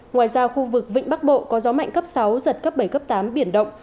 ngoài ra khu vực vịnh bắc bộ có gió mạnh cấp sáu giật cấp bảy cấp tám biển động